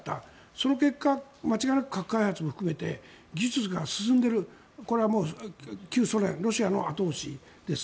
その結果、間違いなく核開発も含めて技術が進んでいるこれはもう旧ソ連ロシアの後押しです。